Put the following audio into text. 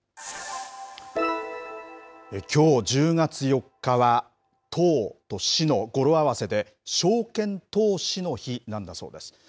きょう１０月４日はとー・と、しの語呂合わせで証券投資の日なんだそうです。